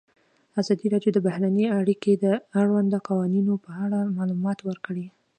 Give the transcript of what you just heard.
ازادي راډیو د بهرنۍ اړیکې د اړونده قوانینو په اړه معلومات ورکړي.